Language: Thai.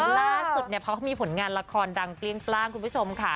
ล่าสุดเนี่ยเขามีผลงานละครดังเปรี้ยงปร่างคุณผู้ชมค่ะ